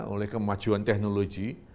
oleh kemajuan teknologi